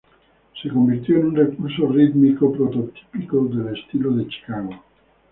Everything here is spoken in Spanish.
Se convirtió en un recurso rítmico prototípico del estilo de Chicago.